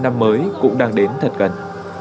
năm mới cũng đang đến thật gần